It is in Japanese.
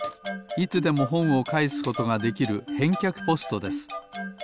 いつでもほんをかえすことができる返却ポストです。